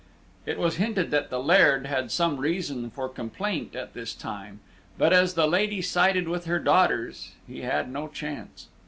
It was hinted that the Laird had some reason for complaint at this time, but as the lady sided with her daughters, he had no chance.